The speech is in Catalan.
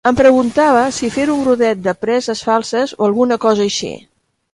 Em preguntava si fer un rodet de preses falses o alguna cosa així.